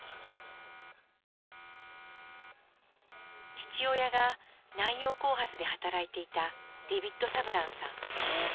父親が南洋興発で働いていたデビット・サブランさん。